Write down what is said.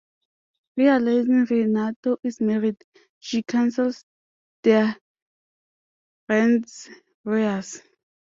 Realizing Renato is married, she cancels their rendezvous.